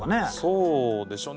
そうでしょう。